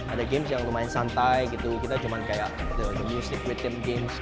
ada game yang lumayan santai kita cuma kayak the music rhythm game